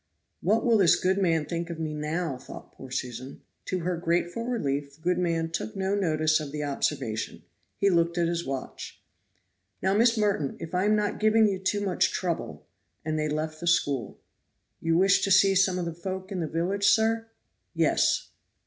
What will this good man think of me now? thought poor Susan. To her grateful relief, the good man took no notice of the observation; he looked at his watch. "Now, Miss Merton, if I am not giving you too much trouble," and they left the school. "You wish to see some of the folk in the village, sir?" "Yes."